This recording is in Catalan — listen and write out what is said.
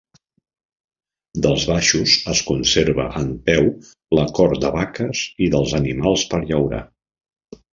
Dels baixos es conserva en peu la cort de vaques i dels animals per llaurar.